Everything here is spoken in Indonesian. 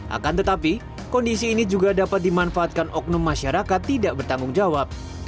akan tetapi kondisi ini juga dapat dimanfaatkan oknum masyarakat tidak bertanggung jawab